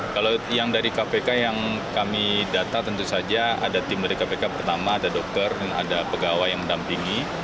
kalau yang dari kpk yang kami data tentu saja ada tim dari kpk pertama ada dokter dan ada pegawai yang mendampingi